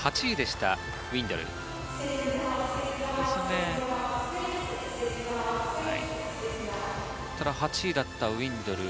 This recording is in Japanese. ただ８位だったウィンドル。